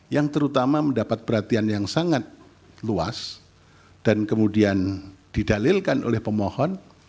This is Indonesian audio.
yang terutama mendapat perhatian yang sangat luas dan kemudian didalilkan oleh pemohon